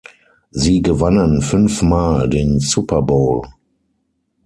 Sie gewannen fünfmal den Super Bowl.